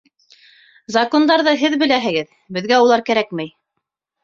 — Закондарҙы һеҙ беләһегеҙ, беҙгә улар кәрәкмәй.